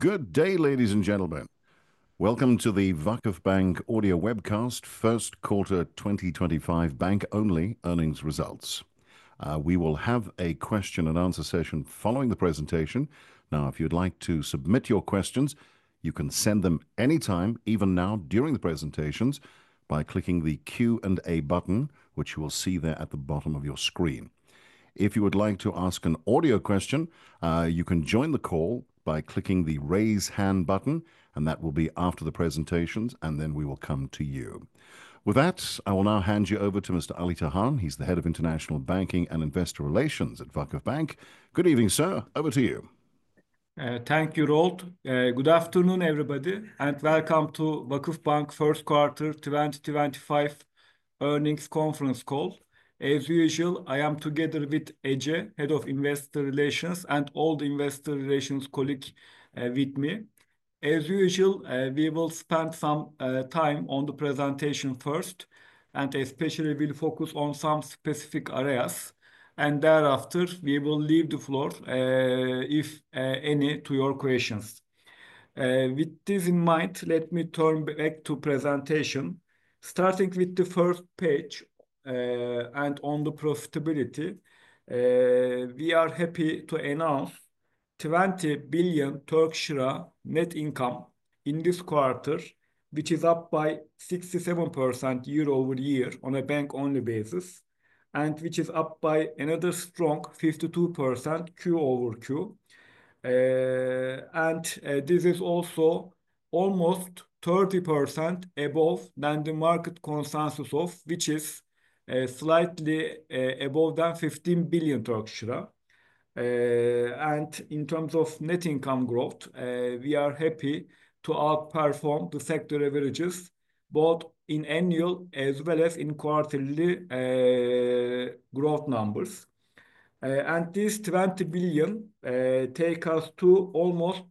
Good day, ladies and gentlemen. Welcome to the VakıfBank Audio Webcast first quarter 2025 bank-only earnings results. We will have a question-and-answer session following the presentation. Now, if you'd like to submit your questions, you can send them anytime, even now during the presentations, by clicking the Q&A button which you will see there at the bottom of your screen. If you would like to ask an audio question, you can join the call by clicking the Raise Hand button, and that will be after the presentations, and then we will come to you. With that, I will now hand you over to Mr. Ali Tahan. He's the head of International Banking and Investor Relations at VakıfBank. Good evening, sir. Over to you. Thank you, Roland. Good afternoon, everybody, and welcome to VakıfBank first quarter 2025 earnings conference call. As usual, I am together with Ece, Head of Investor Relations, and all the investor relations colleague with me. As usual, we will spend some time on the presentation first, and especially we'll focus on some specific areas, and thereafter, we will leave the floor, if any to your questions. With this in mind, let me turn back to presentation. Starting with the first page, on the profitability, we are happy to announce 20 billion net income in this quarter, which is up by 67% year-over-year on a bank-only basis, and which is up by another strong 52% Q-over-Q. This is also almost 30% above than the market consensus of which is, slightly, above than 15 billion Turkish lira. In terms of net income growth, we are happy to outperform the sector averages, both in annual as well as in quarterly growth numbers. This 20 billion take us to almost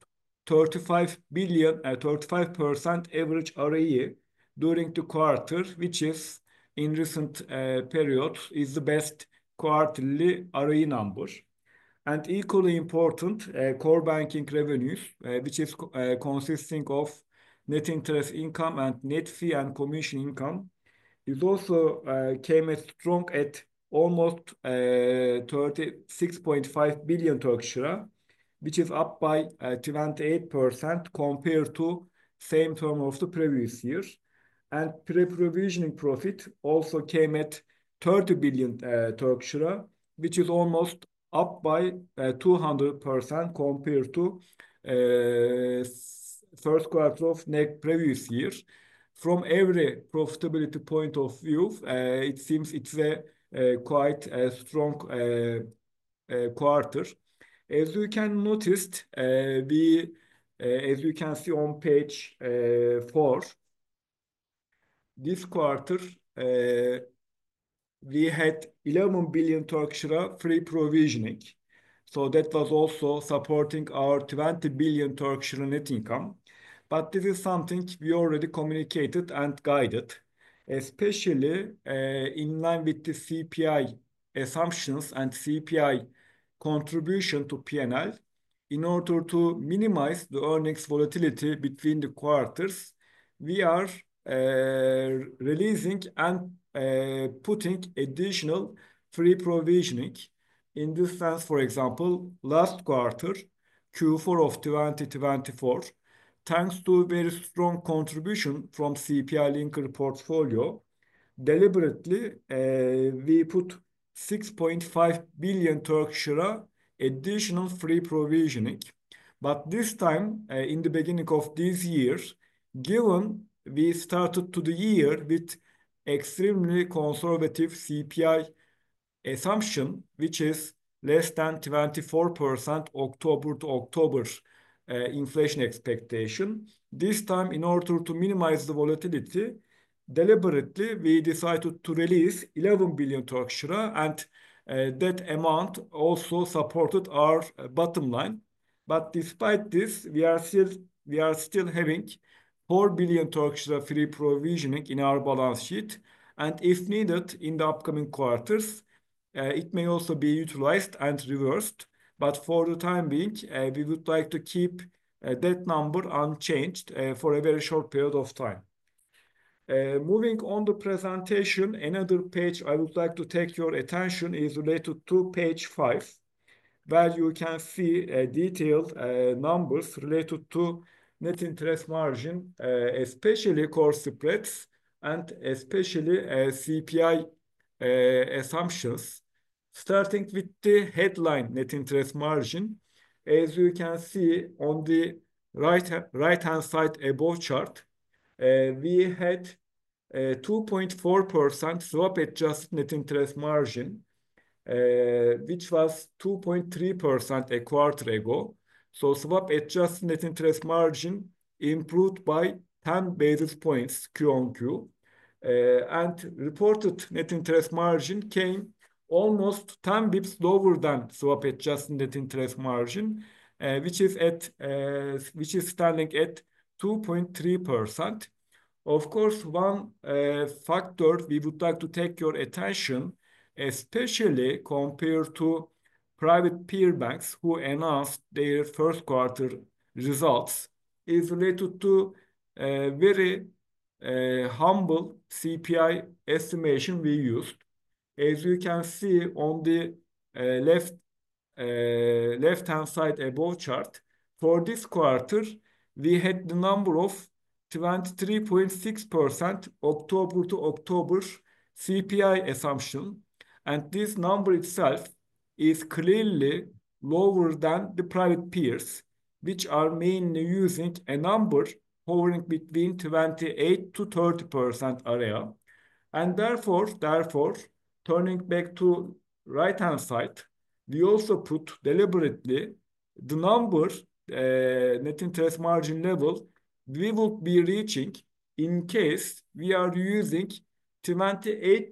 35 billion, 35% average ROE during the quarter, which in recent periods is the best quarterly ROE number. Equally important, core banking revenues, which is consisting of net interest income and net fee and commission income, is also came as strong at almost 36.5 billion Turkish lira, which is up by 28% compared to same term of the previous years. Pre-provisioning profit also came at 30 billion Turkish lira, which is almost up by 200% compared to first quarter of previous years. From every profitability point of view, it seems it's a quite strong quarter. As you can see on page four, this quarter, we had 11 billion Turkish lira free provisioning, so that was also supporting our 20 billion Turkish lira net income. This is something we already communicated and guided, especially in line with the CPI assumptions and CPI contribution to P&L. In order to minimize the earnings volatility between the quarters, we are releasing and putting additional free provisioning. In this sense, for example, last quarter, Q4 of 2024, thanks to a very strong contribution from CPI-linked portfolio, deliberately, we put 6.5 billion Turkish lira additional free provisioning. This time, in the beginning of this year, given we started the year with extremely conservative CPI assumption, which is less than 24% October - October inflation expectation, this time, in order to minimize the volatility, deliberately, we decided to release 11 billion, and that amount also supported our bottom line. Despite this, we are still having 4 billion Turkish lira free provisioning in our balance sheet. If needed in the upcoming quarters, it may also be utilized and reversed. For the time being, we would like to keep that number unchanged for a very short period of time. Moving on the presentation, another page I would like to take your attention is related to page five, where you can see detailed numbers related to net interest margin, especially core spreads, and especially CPI assumptions. Starting with the headline net interest margin, as you can see on the right-hand side above chart, we had 2.4% swap-adjusted net interest margin, which was 2.3% a quarter ago. Swap-adjusted net interest margin improved by 10 basis points Q on Q. Reported net interest margin came almost 10 basis points lower than swap-adjusted net interest margin, which is standing at 2.3%. Of course, one factor we would like to draw your attention to, especially compared to private peer banks who announced their first quarter results, is related to very humble CPI estimation we used. As you can see on the left-hand side above chart, for this quarter we had the number of 23.6% October - October CPI assumption. This number itself is clearly lower than the private peers, which are mainly using a number hovering between 28%-30% area. Therefore, turning back to the right-hand side, we also put deliberately the number, net interest margin level we would be reaching in case we are using TRY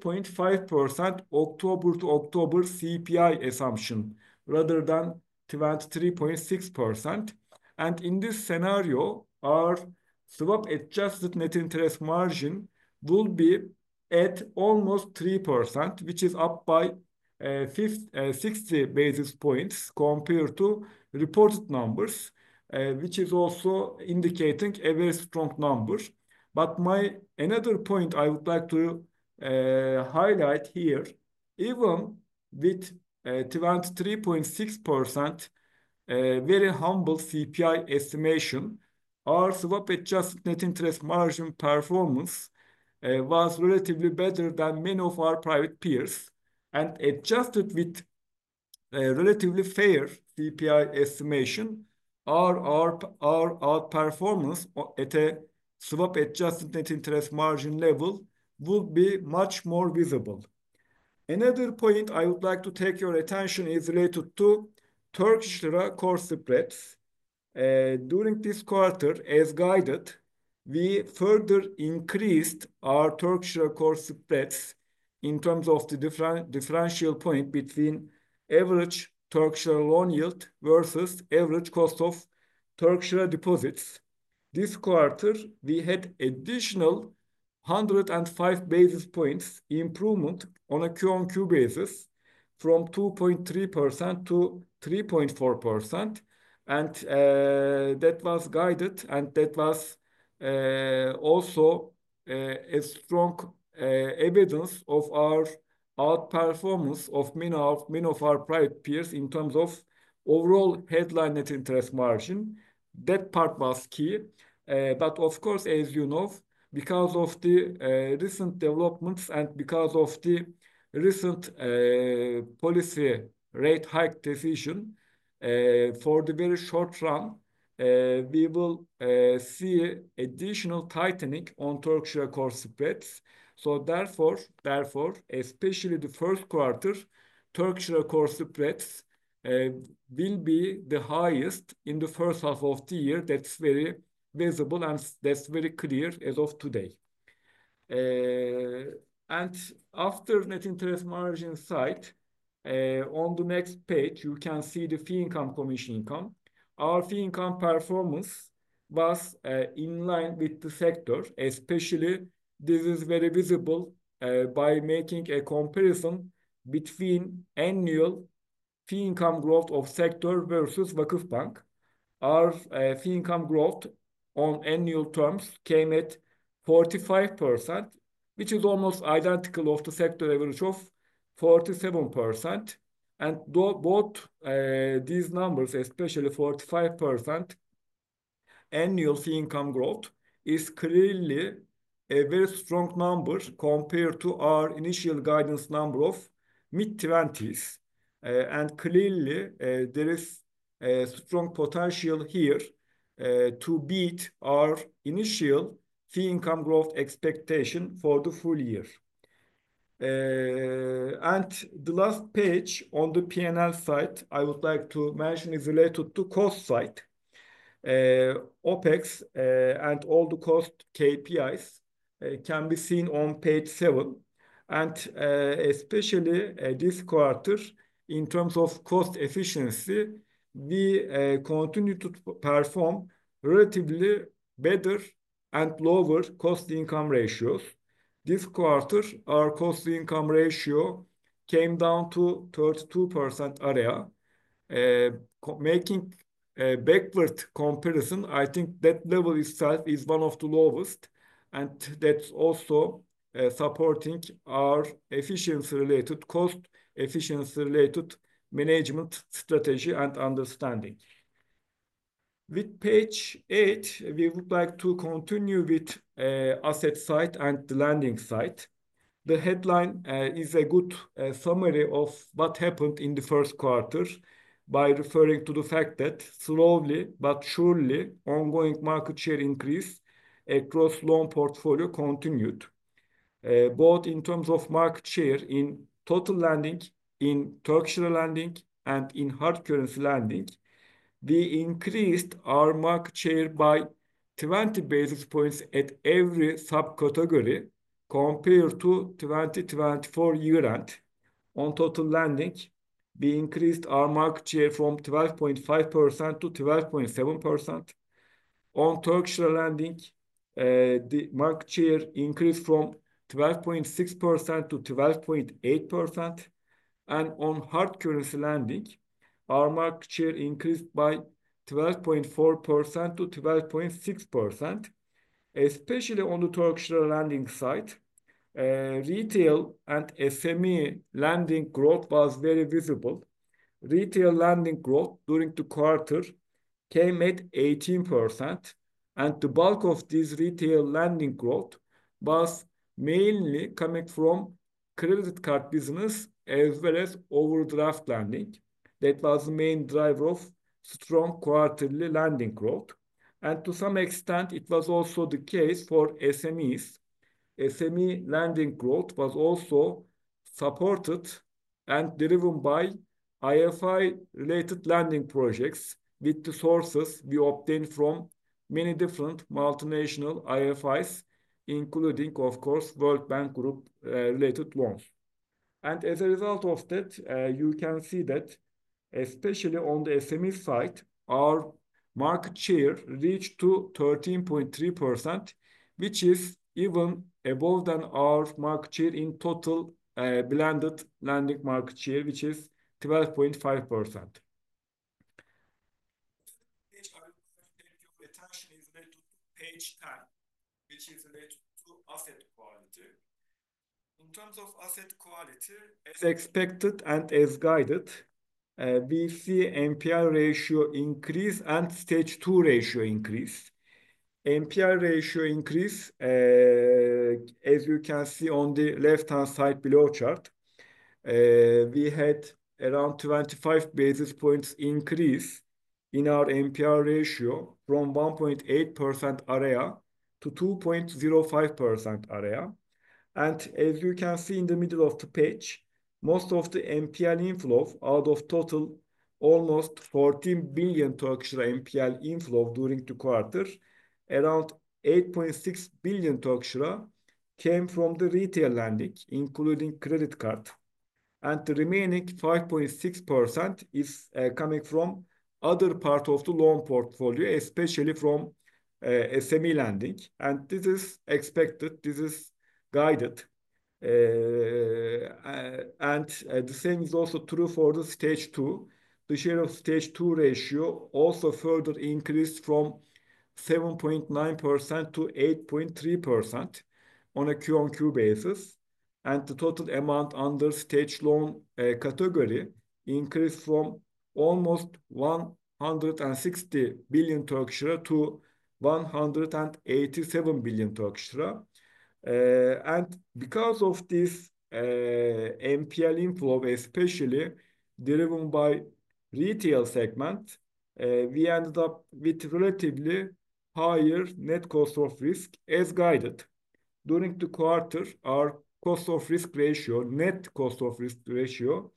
28.5% October - October CPI assumption rather than 23.6%. In this scenario, our swap-adjusted net interest margin will be at almost 3%, which is up by 60 basis points compared to reported numbers, which is also indicating a very strong number. Another point I would like to highlight here, even with 23.6%, very humble CPI estimation, our swap-adjusted net interest margin performance was relatively better than many of our private peers. Adjusted with a relatively fair CPI estimation, our outperformance at a swap-adjusted net interest margin level would be much more visible. Another point I would like to take your attention to is related to Turkish lira core spreads. During this quarter, as guided, we further increased our Turkish lira core spreads in terms of the differential point between average Turkish lira loan yield versus average cost of Turkish lira deposits. This quarter, we had additional 105 basis points improvement on a quarter-over-quarter basis from 2.3% - 3.4%. That was guided, and that was also a strong evidence of our outperformance of many of our private peers in terms of overall headline net interest margin. That part was key. Of course, as you know, because of the recent developments and because of the recent policy rate hike decision, for the very short run, we will see additional tightening on Turkish lira core spreads. Therefore, especially the first quarter, Turkish lira core spreads will be the highest in the first half of the year. That's very visible and that's very clear as of today. After net interest margin side, on the next page you can see the fee income, commission income. Our fee income performance was in line with the sector, especially this is very visible by making a comparison between annual fee income growth of sector versus VakıfBank. Our fee income growth on annual terms came at 45%, which is almost identical of the sector average of 47%. Both these numbers, especially 45% annual fee income growth is clearly a very strong number compared to our initial guidance number of mid-20s. Clearly, there is a strong potential here to beat our initial fee income growth expectation for the full year. The last page on the P&L side I would like to mention is related to cost side. OpEx and all the cost KPIs can be seen on page seven. Especially, this quarter in terms of cost efficiency, we continue to perform relatively better and lower cost-to-income ratios. This quarter, our cost-to-income ratio came down to 32% area. Making a backward comparison, I think that level itself is one of the lowest, and that's also supporting our efficiency-related management strategy and understanding. With page eight, we would like to continue with asset side and the lending side. The headline is a good summary of what happened in the first quarter by referring to the fact that slowly but surely ongoing market share increase across loan portfolio continued. Both in terms of market share in total lending, in Turkish lira lending, and in hard currency lending, we increased our market share by 20 basis points in every subcategory compared to 2024 year-end. On total lending, we increased our market share from 12.5% - 12.7%. On Turkish lira lending, the market share increased from 12.6% - 12.8%. On hard currency lending, our market share increased from 12.4% - 12.6%. Especially on the Turkish lira lending side, retail and SME lending growth was very visible. Retail lending growth during the quarter came at 18%, and the bulk of this retail lending growth was mainly coming from credit card business as well as overdraft lending. That was the main driver of strong quarterly lending growth. To some extent it was also the case for SMEs. SME lending growth was also supported and driven by IFI-related lending projects with the sources we obtained from many different multinational IFIs, including, of course, World Bank Group, related loans. As a result of that, you can see that especially on the SME side, our market share reached to 13.3%, which is even above than our market share in total, blended lending market share, which is 12.5%. The page I would like to take your attention is related to page 10, which is related to asset quality. In terms of asset quality, as expected and as guided, we see NPL ratio increase and stage two ratio increase. NPL ratio increase, as you can see on the left-hand side below chart, we had around 25 basis points increase in our NPL ratio from 1.8% area - 2.05% area. As you can see in the middle of the page, most of the NPL inflow out of total almost 14 billion Turkish lira NPL inflow during the quarter. Around 8.6 billion Turkish lira came from the retail lending, including credit card. The remaining 5.6% is coming from other part of the loan portfolio, especially from SME lending. This is expected, this is guided. The same is also true for the Stage 2. The share of Stage 2 ratio also further increased from 7.9% - 8.3% on a Q-on-Q basis, and the total amount under stage loan category increased from almost 160 billion Turkish lira - 187 billion Turkish lira. Because of this NPL inflow, especially driven by retail segment, we ended up with relatively higher net cost of risk as guided. During the quarter, our net cost of risk ratio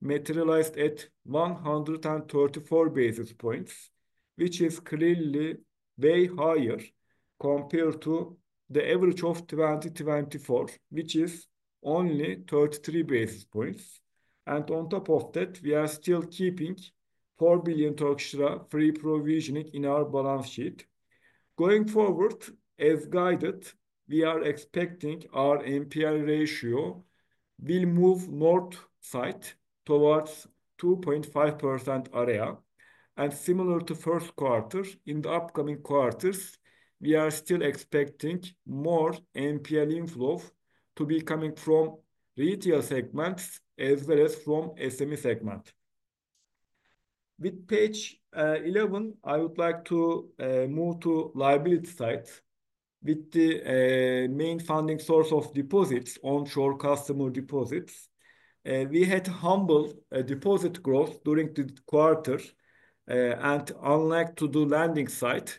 materialized at 134 basis points, which is clearly way higher compared to the average of 2024, which is only 33 basis points. On top of that, we are still keeping 4 billion Turkish lira free provisioning in our balance sheet. Going forward, as guided, we are expecting our NPL ratio will move north side towards 2.5% area. Similar to first quarter, in the upcoming quarters, we are still expecting more NPL inflow to be coming from retail segments as well as from SME segment. With page 11, I would like to move to liability side. With the main funding source of deposits, onshore customer deposits, we had humble deposit growth during the quarter. And unlike to the lending side,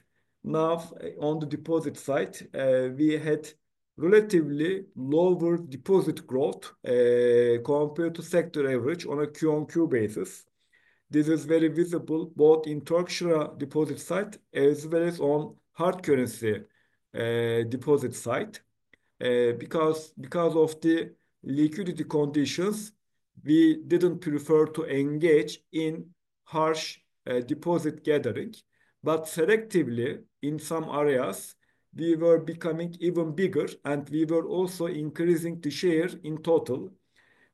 now on the deposit side, we had relatively lower deposit growth compared to sector average on a Q-on-Q basis. This is very visible both in Turkish lira deposit side as well as on hard currency deposit side. Because of the liquidity conditions, we didn't prefer to engage in harsh deposit gathering. Selectively in some areas, we were becoming even bigger, and we were also increasing the share in total.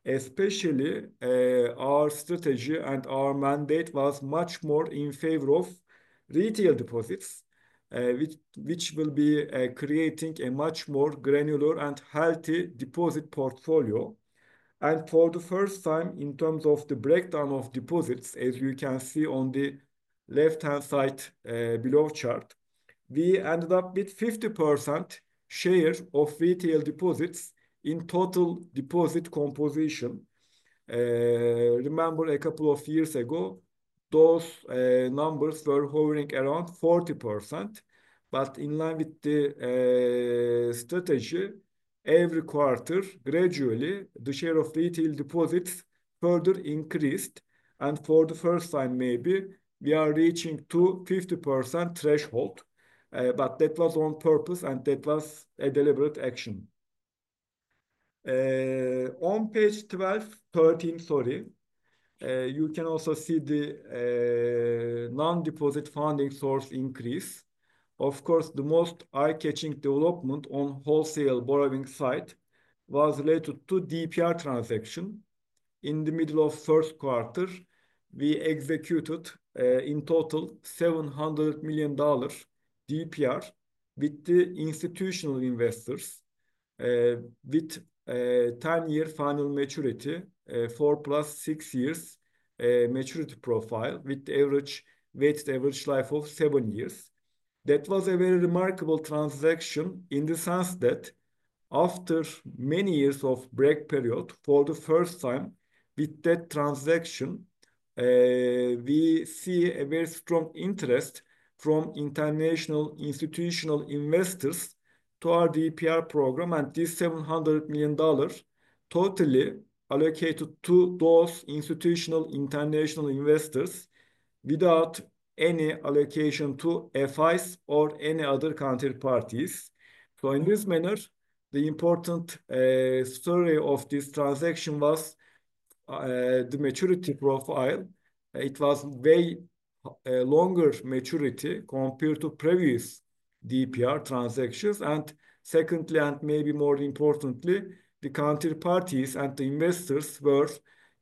Especially, our strategy and our mandate was much more in favor of retail deposits, which will be creating a much more granular and healthy deposit portfolio. For the first time, in terms of the breakdown of deposits, as you can see on the left-hand side, below chart, we ended up with 50% share of retail deposits in total deposit composition. Remember a couple of years ago, those numbers were hovering around 40%, but in line with the strategy every quarter, gradually the share of retail deposits further increased, and for the first time maybe we are reaching the 50% threshold. That was on purpose, and that was a deliberate action. On page 13, sorry, you can also see the non-deposit funding source increase. Of course, the most eye-catching development on wholesale borrowing side was related to DPR transaction. In the middle of first quarter, we executed in total $700 million DPR with the institutional investors, with 10-year final maturity, four plus six years maturity profile with the weighted average life of seven years. That was a very remarkable transaction in the sense that after many years of break period, for the first time with that transaction, we see a very strong interest from international institutional investors to our DPR program. This $700 million totally allocated to those institutional international investors without any allocation to FIs or any other counterparties. In this manner, the important story of this transaction was the maturity profile. It was way longer maturity compared to previous DPR transactions. Secondly, and maybe more importantly, the counterparties and the investors were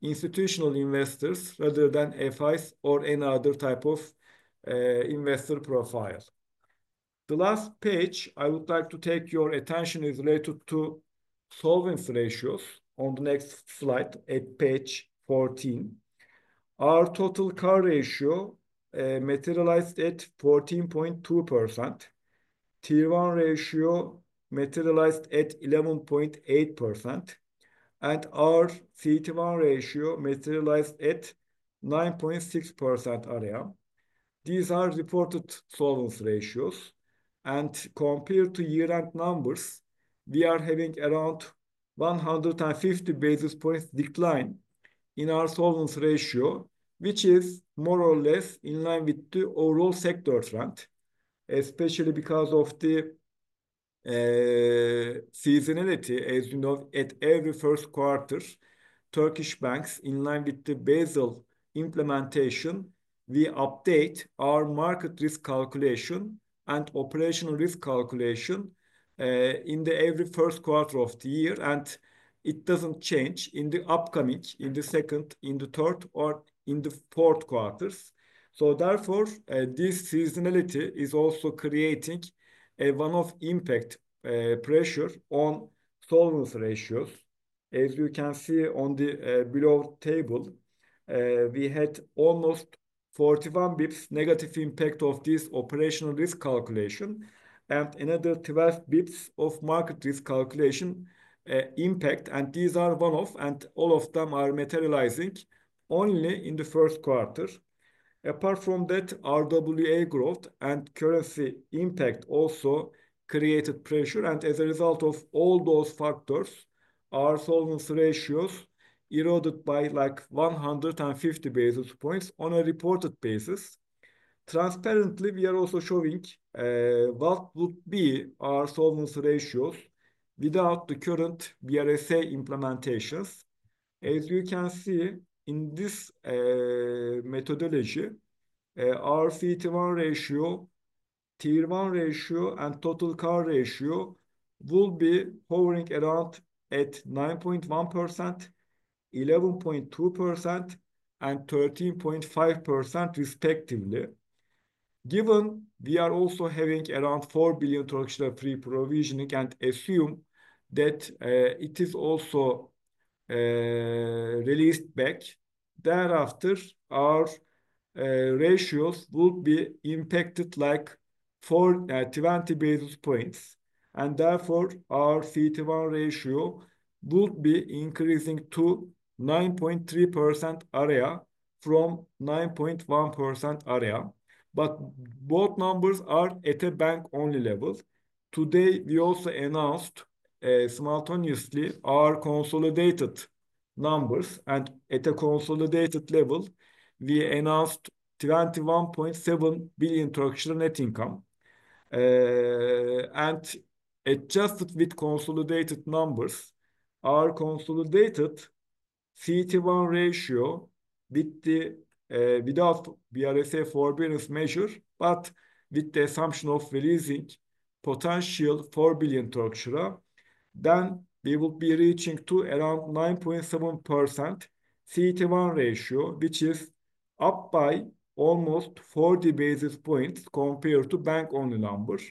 institutional investors rather than FIs or any other type of investor profile. The last page I would like to take your attention is related to solvency ratios on the next slide at page 14. Our total CAR ratio materialized at 14.2%. Tier 1 ratio materialized at 11.8%. Our CET1 ratio materialized at 9.6%. These are reported solvency ratios. Compared to year-end numbers, we are having around 150 basis points decline in our solvency ratio, which is more or less in line with the overall sector trend, especially because of the seasonality. As you know, at every first quarter, Turkish banks in line with the Basel implementation, we update our market risk calculation and operational risk calculation in every first quarter of the year. It doesn't change in the second, third or fourth quarters. Therefore, this seasonality is also creating a one-off impact pressure on solvency ratios. As you can see on the below table, we had almost 41 basis points negative impact of this operational risk calculation and another 12 basis points of market risk calculation impact. These are one-off, and all of them are materializing only in the first quarter. Apart from that, RWA growth and currency impact also created pressure. As a result of all those factors, our solvency ratios eroded by, like, 150 basis points on a reported basis. Transparently, we are also showing what would be our solvency ratios without the current BRSA implementations. As you can see in this methodology, our CET1 ratio, Tier 1 ratio, and total CAR ratio will be hovering around at 9.1%, 11.2%, and 13.5% respectively. Given we are also having around 4 billion pre-provisioning and assume that it is also released back, thereafter our ratios would be impacted like 420 basis points. Therefore, our CET1 ratio would be increasing to 9.3% area from 9.1% area. Both numbers are at a bank-only level. Today, we also announced simultaneously our consolidated numbers, and at a consolidated level we announced 21.7 billion net income. Adjusted with consolidated numbers, our consolidated CET1 ratio without BRSA forbearance measure, but with the assumption of releasing potential 4 billion, then we would be reaching to around 9.7% CET1 ratio, which is up by almost 40 basis points compared to bank-only numbers.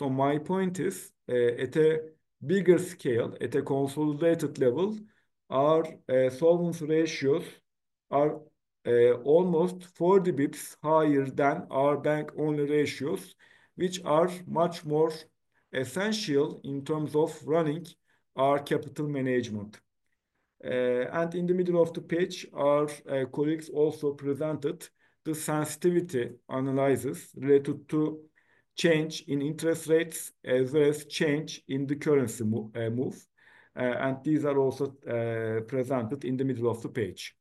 My point is, at a bigger scale, at a consolidated level, our solvency ratios are almost 40 basis points higher than our bank-only ratios, which are much more essential in terms of running our capital management. In the middle of the page, our colleagues also presented the sensitivity analysis related to change in interest rates as well as change in the currency move. These are also presented in the middle of the page.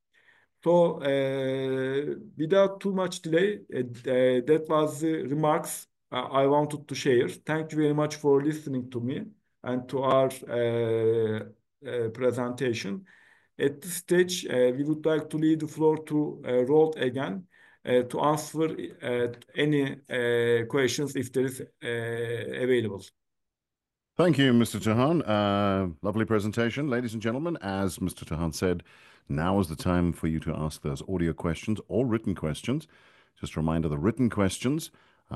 Without too much delay, that was the remarks I wanted to share. Thank you very much for listening to me and to our presentation. At this stage, we would like to leave the floor to Roland again to answer any questions if there is available. Thank you, Mr. Tahan. Lovely presentation. Ladies and gentlemen, as Mr. Tahan said, now is the time for you to ask those audio questions or written questions. Just a reminder, the written questions,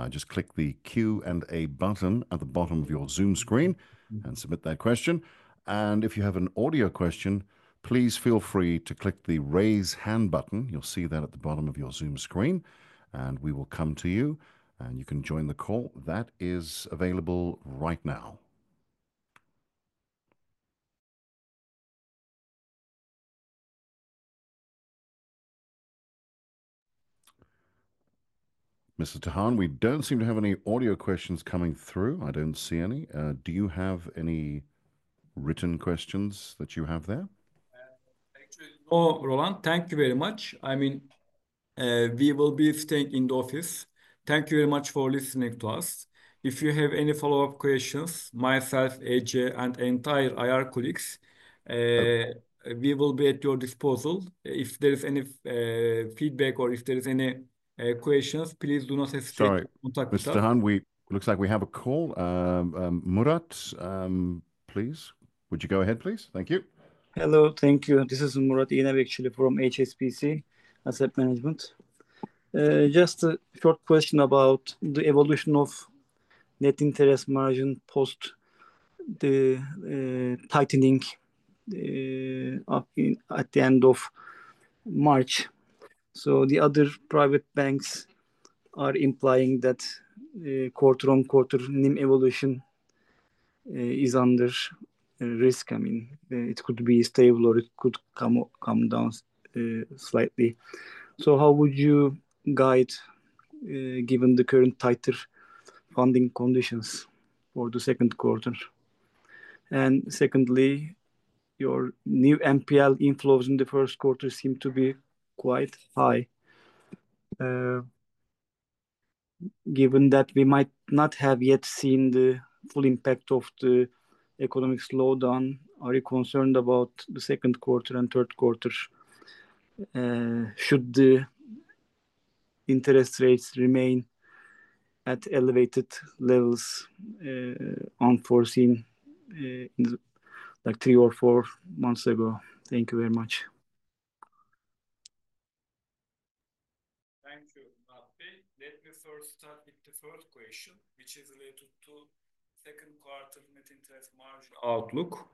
just click the Q&A button at the bottom of your Zoom screen and submit that question. If you have an audio question, please feel free to click the Raise Hand button. You'll see that at the bottom of your Zoom screen, and we will come to you, and you can join the call. That is available right now. Mr. Tahan, we don't seem to have any audio questions coming through. I don't see any. Do you have any written questions that you have there? Actually, no, Roland. Thank you very much. I mean, we will be staying in the office. Thank you very much for listening to us. If you have any follow-up questions, myself, Ece, and entire IR colleagues, we will be at your disposal. If there is any feedback or if there is any questions, please do not hesitate to contact us. Sorry, Mr. Tahan, looks like we have a call. Murat, please, would you go ahead, please? Thank you. Hello. Thank you. This is Murat Ünav actually from HSBC Asset Management. Just a short question about the evolution of net interest margin post the tightening up at the end of March. The other private banks are implying that quarter-on-quarter NIM evolution is under risk. I mean, it could be stable, or it could come down slightly. How would you guide given the current tighter funding conditions for the second quarter? Secondly, your new NPL inflows in the first quarter seem to be quite high. Given that we might not have yet seen the full impact of the economic slowdown, are you concerned about the second quarter and third quarter should the interest rates remain at elevated levels as foreseen in like three or four months ago? Thank you very much. Thank you, Murat Ünav. Let me first start with the first question, which is related to second quarter net interest margin outlook.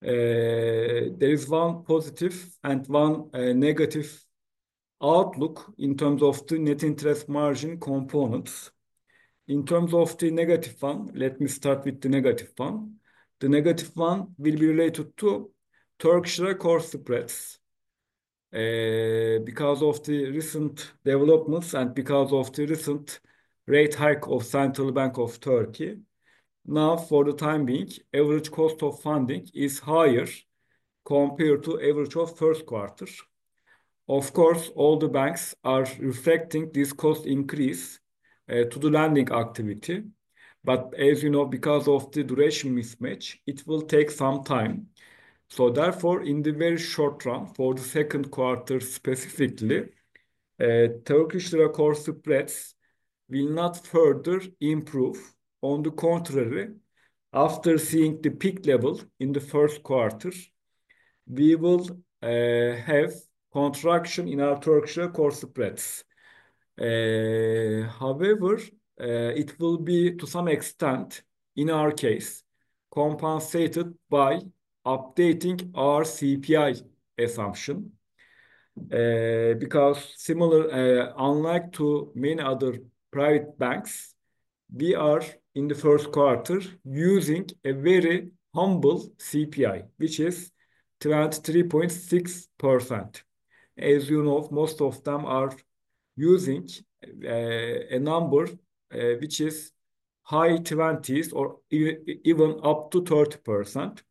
There is one positive and one negative outlook in terms of the net interest margin components. In terms of the negative one, let me start with the negative one. The negative one will be related to Turkish lira core spreads. Because of the recent developments and because of the recent rate hike of Central Bank of Turkey, now for the time being, average cost of funding is higher compared to average of first quarter. Of course, all the banks are reflecting this cost increase to the lending activity. As you know, because of the duration mismatch, it will take some time. Therefore, in the very short run, for the second quarter specifically, Turkish lira core spreads will not further improve. On the contrary, after seeing the peak level in the first quarter, we will have contraction in our Turkish lira core spreads. However, it will be to some extent, in our case, compensated by updating our CPI assumption, because unlike to many other private banks, we are in the first quarter using a very humble CPI, which is 23.6%. As you know, most of them are using a number, which is high 20s or even up to 30%.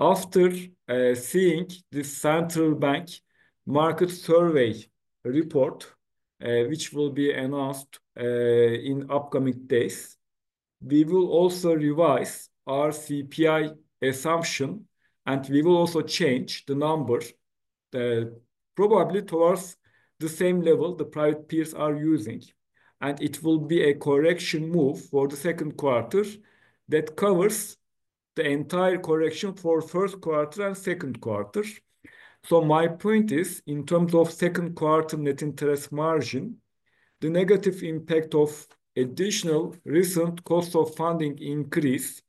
After seeing the central bank market survey report, which will be announced in upcoming days, we will also revise our CPI assumption, and we will also change the number, probably towards the same level the private peers are using. It will be a correction move for the second quarter that covers the entire correction for first quarter and second quarter. My point is, in terms of second quarter net interest margin, the negative impact of additional recent cost of funding increase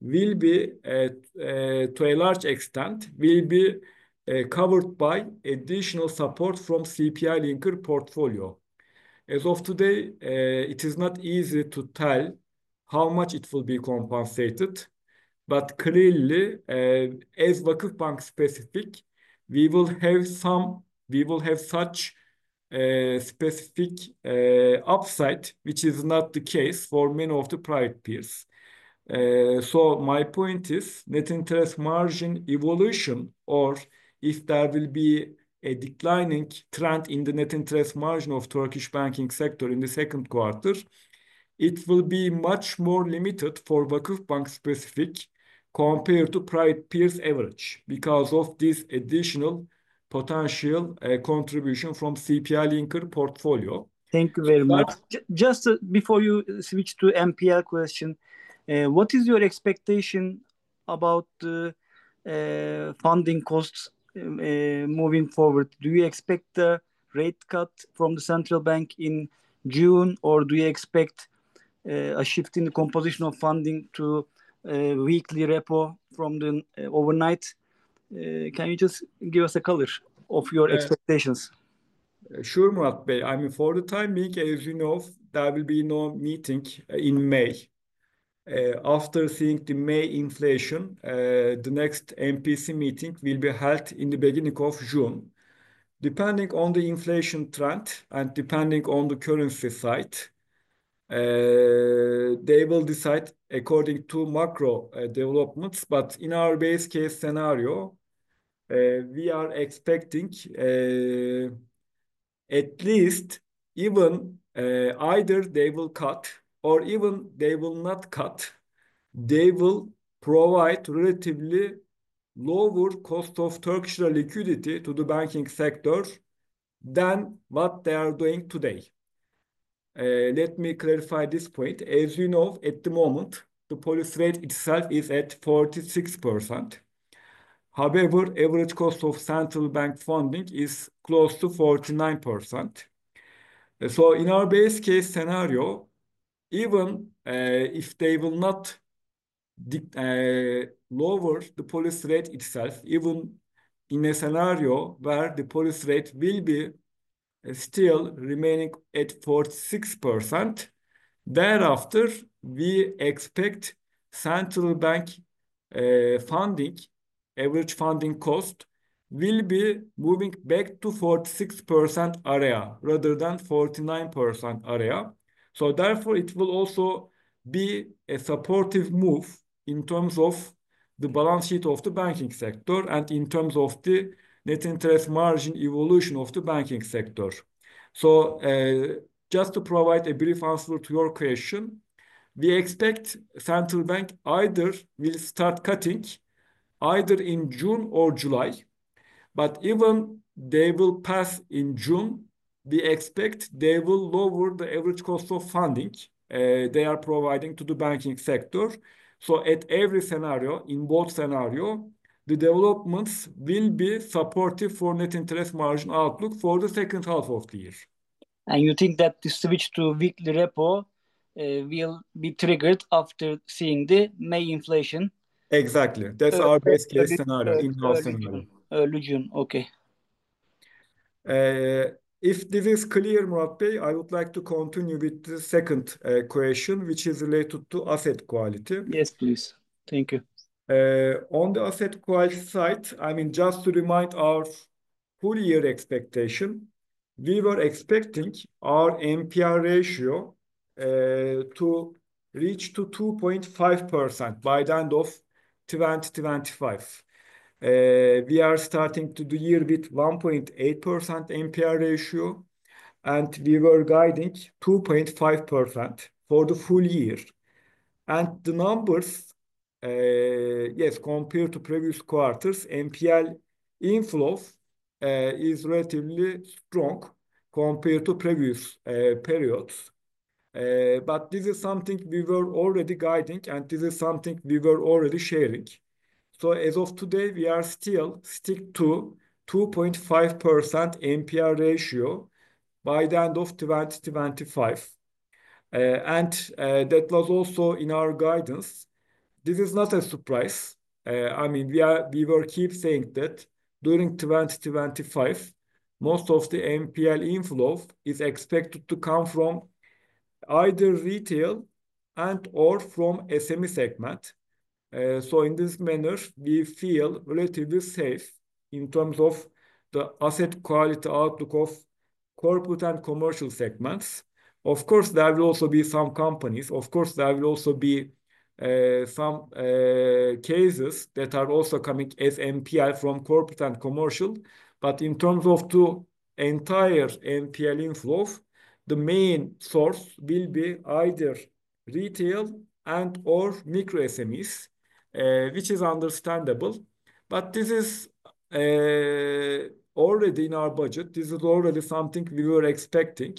will be, to a large extent, covered by additional support from CPI-linked portfolio. As of today, it is not easy to tell how much it will be compensated. Clearly, as VakıfBank specific, we will have such specific upside, which is not the case for many of the private peers. My point is net interest margin evolution, or if there will be a declining trend in the net interest margin of Turkish banking sector in the second quarter, it will be much more limited for VakıfBank specific compared to private peers average because of this additional potential contribution from CPI-linked portfolio. Thank you very much. Just before you switch to NPL question, what is your expectation about the funding costs moving forward? Do you expect a rate cut from the central bank in June or do you expect a shift in the composition of funding to weekly repo from the overnight? Can you just give us a color of your expectations? Sure, Murat Ünav. I mean, for the time being, as you know, there will be no meeting in May. After seeing the May inflation, the next MPC meeting will be held in the beginning of June. Depending on the inflation trend and depending on the currency side, they will decide according to macro developments. In our base case scenario, we are expecting at least even, either they will cut or even they will not cut, they will provide relatively lower cost of Turkish lira liquidity to the banking sector than what they are doing today. Let me clarify this point. As you know, at the moment, the policy rate itself is at 46%. However, average cost of central bank funding is close to 49%. In our base case scenario, even if they will not lower the policy rate itself, even in a scenario where the policy rate will be still remaining at 46%, thereafter, we expect central bank funding average funding cost will be moving back to 46% area rather than 49% area. Therefore, it will also be a supportive move in terms of the balance sheet of the banking sector and in terms of the net interest margin evolution of the banking sector. Just to provide a brief answer to your question, we expect central bank either will start cutting either in June or July. But even they will pass in June, we expect they will lower the average cost of funding they are providing to the banking sector. At every scenario, in both scenario, the developments will be supportive for net interest margin outlook for the second half of the year. You think that the switch to weekly repo will be triggered after seeing the May inflation? Exactly. That's our base case scenario in both scenarios. Early June. Okay. If this is clear, Murat Ünav, I would like to continue with the second question, which is related to asset quality. Yes, please. Thank you. On the asset quality side, I mean, just to remind our full year expectation, we were expecting our NPL ratio to reach to 2.5% by the end of 2025. We are starting to the year with 1.8% NPL ratio, and we were guiding 2.5% for the full year. The numbers, yes, compared to previous quarters, NPL inflows is relatively strong compared to previous periods. This is something we were already guiding, and this is something we were already sharing. As of today, we are still stick to 2.5% NPL ratio by the end of 2025. That was also in our guidance. This is not a surprise. I mean, we were keeping saying that during 2025, most of the NPL inflow is expected to come from either retail and/or from SME segment. In this manner, we feel relatively safe in terms of the asset quality outlook of corporate and commercial segments. Of course, there will also be some companies, some cases that are also coming as NPL from corporate and commercial. In terms of the entire NPL inflow, the main source will be either retail and/or micro SMEs, which is understandable. This is already in our budget. This is already something we were expecting.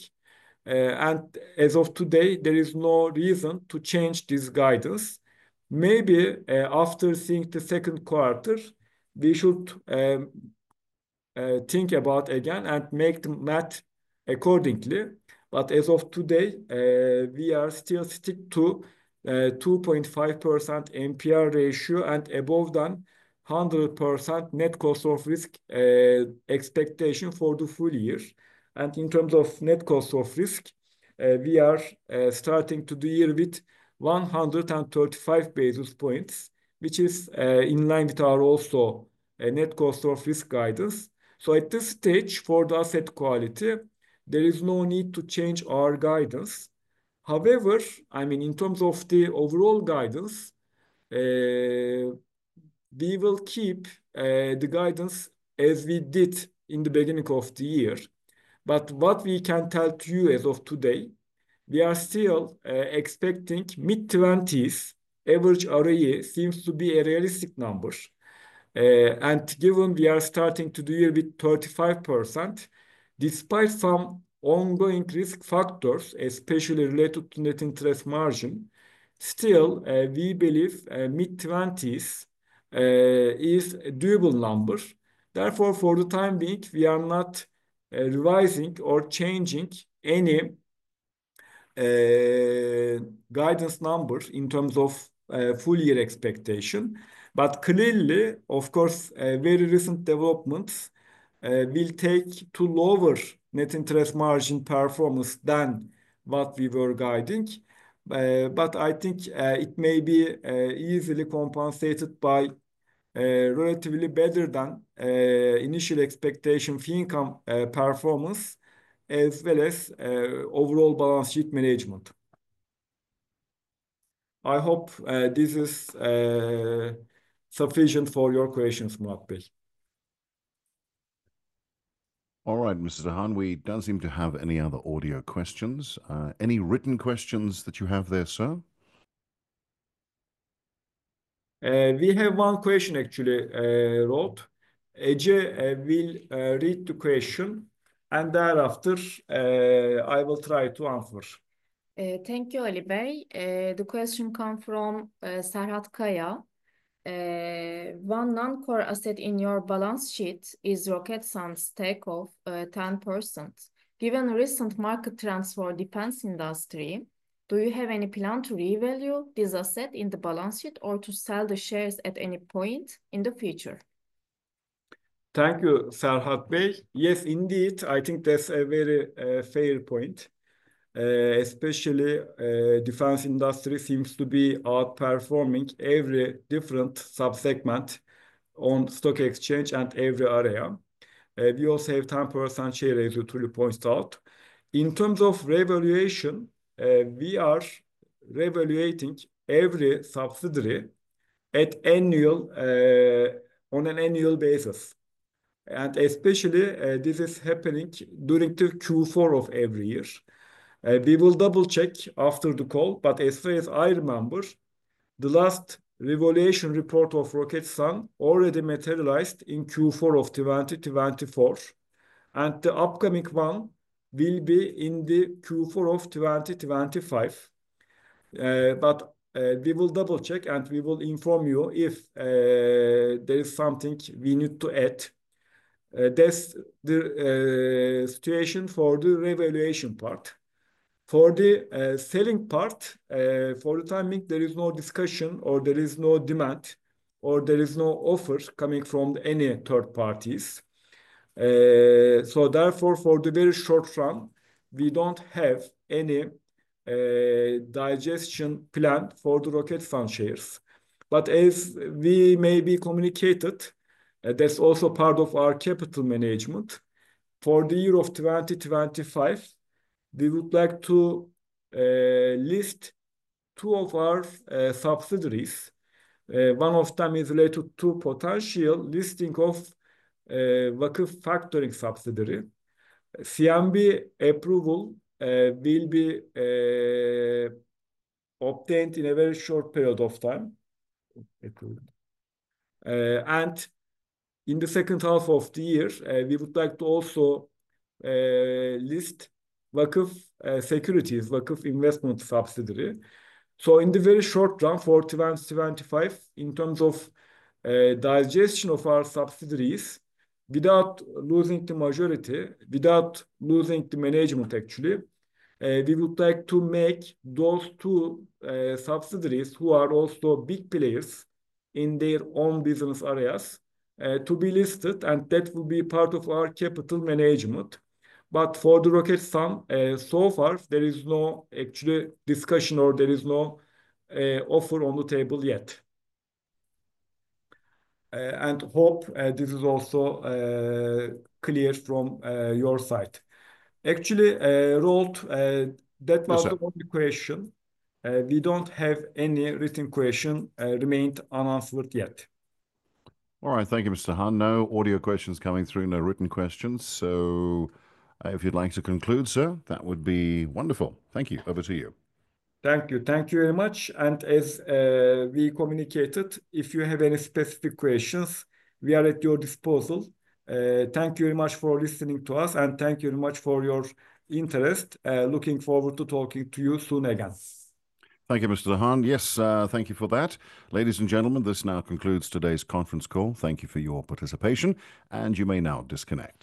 As of today, there is no reason to change this guidance. Maybe, after seeing the second quarter, we should think about again and make the math accordingly. As of today, we are still stick to 2.5% NPL ratio and above 100% net cost of risk expectation for the full year. In terms of net cost of risk, we are starting to deal with 135 basis points, which is in line with our also net cost of risk guidance. At this stage, for the asset quality, there is no need to change our guidance. However, I mean, in terms of the overall guidance, we will keep the guidance as we did in the beginning of the year. What we can tell to you as of today, we are still expecting mid-20s average ROE seems to be a realistic number. Given we are starting to deal with 35%, despite some ongoing risk factors, especially related to net interest margin, still, we believe mid-20s is a doable number. Therefore, for the time being, we are not revising or changing any guidance numbers in terms of full-year expectation. Clearly, of course, very recent developments will lead to lower net interest margin performance than what we were guiding. I think it may be easily compensated by relatively better than initial expectation fee income performance as well as overall balance sheet management. I hope this is sufficient for your questions, Murat Ünav All right, Mr. Ali Tahan. We don't seem to have any other audio questions. Any written questions that you have there, sir? We have one question actually, Roland. Ece will read the question, and thereafter, I will try to answer. Thank you, Ali Tahan. The question come from Serhat Kaya. One non-core asset in your balance sheet is Roketsan's stake of 10%. Given recent market trends for defense industry, do you have any plan to revalue this asset in the balance sheet or to sell the shares at any point in the future? Thank you, Serhat Kaya. Yes, indeed. I think that's a very fair point. Especially, defense industry seems to be outperforming every different sub-segment on stock exchange and every area. We also have 10% share, as you truly pointed out. In terms of revaluation, we are revaluing every subsidiary on an annual basis. Especially, this is happening during the Q4 of every year. We will double-check after the call, but as far as I remember, the last revaluation report of Roketsan already materialized in Q4 of 2024, and the upcoming one will be in the Q4 of 2025. We will double-check, and we will inform you if there is something we need to add. That's the situation for the revaluation part. For the selling part, for the time being, there is no discussion, or there is no demand, or there is no offers coming from any third parties. Therefore, for the very short run, we don't have any digestion plan for the Roketsan shares. As we maybe communicated, that's also part of our capital management. For the year of 2025, we would like to list two of our subsidiaries. One of them is related to potential listing of Vakıf Faktoring subsidiary. CMB approval will be obtained in a very short period of time. In the second half of the year, we would like to also list Vakıf Securities, Vakıf Yatırım subsidiary. In the very short run, for 2025, in terms of digestion of our subsidiaries, without losing the majority, without losing the management actually, we would like to make those two subsidiaries, who are also big players in their own business areas, to be listed, and that will be part of our capital management. For the Roketsan, so far there is no actual discussion or offer on the table yet. I hope this is also clear from your side. Actually, Roland, that was the only question. Yes, sir. We don't have any written question remained unanswered yet. All right. Thank you, Mr. Tahan. No audio questions coming through, no written questions. So if you'd like to conclude, sir, that would be wonderful. Thank you. Over to you. Thank you. Thank you very much. As we communicated, if you have any specific questions, we are at your disposal. Thank you very much for listening to us, and thank you very much for your interest. Looking forward to talking to you soon again. Thank you, Mr. Tahan. Yes, thank you for that. Ladies and gentlemen, this now concludes today's conference call. Thank you for your participation, and you may now disconnect.